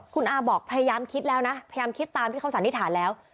คุณอาบอกพยายามคิดแล้วนะพยายามคิดตามที่เขาสันนิษฐานแล้ว